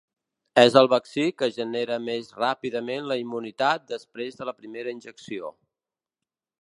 És el vaccí que genera més ràpidament la immunitat després de la primera injecció.